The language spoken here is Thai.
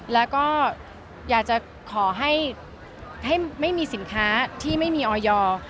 แล้วก็อยากจะขอให้ไม่มีสินค้าที่ไม่มีออยอร์